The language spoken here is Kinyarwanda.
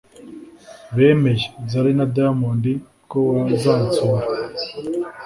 Bemeye [Zari na Diamond] ko bazansura